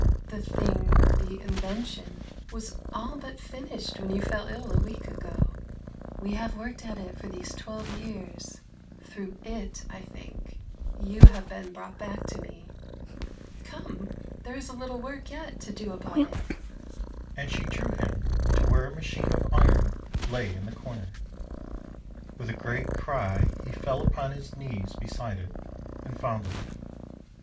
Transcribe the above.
The thing — the invention — was all but finished when you fell ill a week ago. We have worked at it for these twelve years ; through it, I think, you have been brought back to me. Come, there is a little work yet to do upon it ;" and she drew him to where a machine of iron lay in the corner. With a great cry he fell upon his knees beside it, and fondled it.